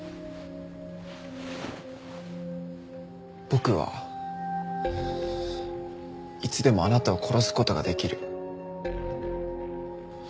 僕はいつでもあなたを殺す事ができる。